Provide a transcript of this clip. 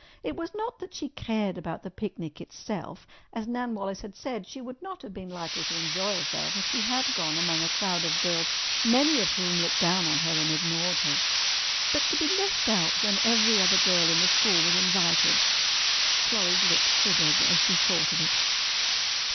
It was not that she cared about the picnic itself: as Nan Wallace had said, she would not have been likely to enjoy herself if she had gone among a crowd of girls many of whom looked down on her and ignored her. But to be left out when every other girl in the school was invited! Florrie's lip quivered as she thought of it.